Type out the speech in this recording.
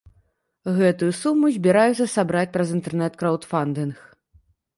Гэтую суму збіраюцца сабраць праз інтэрнэт-краўдфандынг.